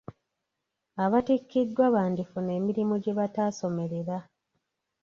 Abatikkiddwa bandifuna emirimu gye bataasomerera.